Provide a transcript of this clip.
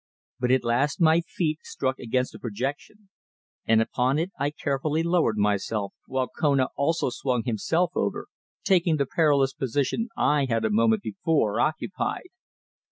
But at last my feet struck against a projection, and upon it I carefully lowered myself, while Kona also swung himself over, taking the perilous position I had a moment before occupied.